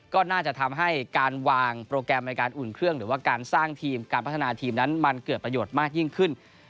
ก็น่าจะทำให้การวางโปรแกรมในการอุ่นเครื่องหรือว่าการสร้างทีมการพัฒนาทีมนั้นมันเกิดประโยชน์มากยิ่งขึ้น